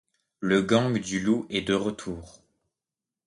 Le gang du loup est de retour.